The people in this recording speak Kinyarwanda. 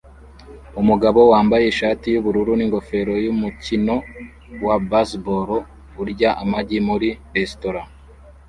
Umugabo wambaye ishati yubururu ningofero yumukino wa baseball urya amagi muri resitora